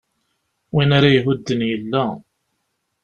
Win ara ihudden yella.